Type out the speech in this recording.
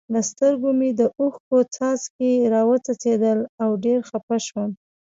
له سترګو مې د اوښکو څاڅکي را و څڅېدل او ډېر خپه شوم.